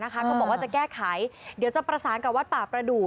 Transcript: เขาบอกว่าจะแก้ไขเดี๋ยวจะประสานกับวัดป่าประดูก